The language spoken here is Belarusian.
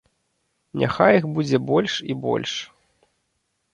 Няхай іх будзе больш і больш.